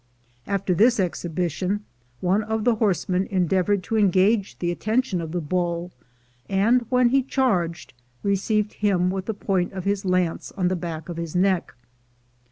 After this exhibition one of the horsemen endeav ored to engage the attention of the bull, and when he charged, received him with the point of his lance on the back of the neck.